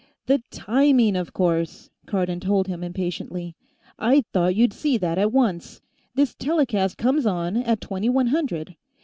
"The timing, of course!" Cardon told him, impatiently. "I thought you'd see that, at once. This telecast comes on at twenty one hundred.